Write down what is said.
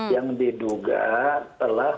yang diduga telah